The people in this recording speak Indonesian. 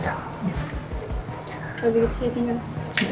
kalau begitu saya tinggal